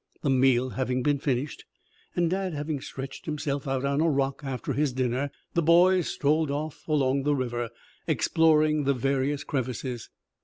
The meal having been finished and Dad having stretched himself out on a rock after his dinner, the boys strolled off along the river, exploring the various crevices.